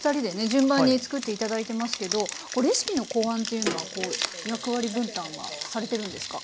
順番に作って頂いてますけどレシピの考案というのはこう役割分担はされてるんですか？